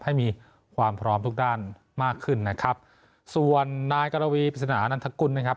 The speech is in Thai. ให้มีความพร้อมทุกด้านมากขึ้นนะครับส่วนนายกรวีปริศนานันทกุลนะครับ